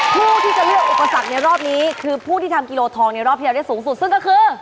ผู้ที่จะเลือกศักดิ์ก็คือผู้ที่ทำว่านาคารทองในรอบที่เราได้สูงสุด